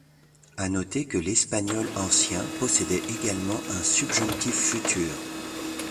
À noter que l'espagnol ancien possédait également un subjonctif futur.